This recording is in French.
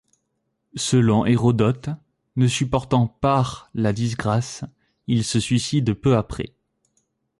Selon Hérodote, ne supportant par la disgrâce, il se suicide peu après.